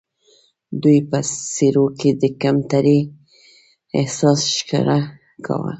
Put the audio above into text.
دوی په څېرو کې د کمترۍ احساس ښکاره کاوه.